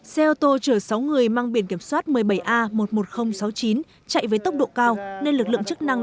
xe ô tô chở sáu người mang biển kiểm soát một mươi bảy a một mươi một nghìn sáu mươi chín chạy với tốc độ cao nên lực lượng chức năng